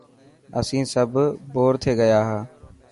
اسين سڀ بور ٿي گيا هان.